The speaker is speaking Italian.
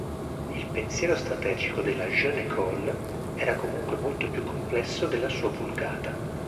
Il pensiero strategico della Jeune Ecole era comunque molto più complesso della sua vulgata.